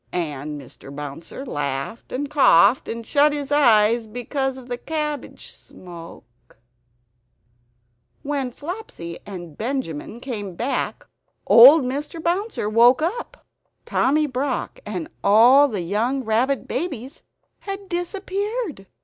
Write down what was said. And Mr. Bouncer laughed and coughed, and shut his eyes because of the cabbage smoke .......... When Flopsy and Benjamin came back old Mr. Bouncer woke up. Tommy Brock and all the young rabbit babies had disappeared!